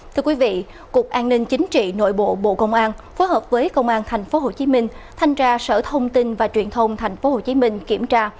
thưa quý vị cục an ninh chính trị nội bộ bộ công an phối hợp với công an thành phố hồ chí minh thanh tra sở thông tin và truyền thông thành phố hồ chí minh kiểm tra